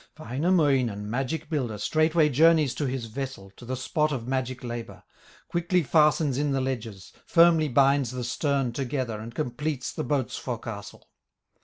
Wainamoinen, magic builder, Straightway journeys to his vessel, To the spot of magic labor, Quickly fastens in the ledges, Firmly binds the stern together And completes the boat's forecastle.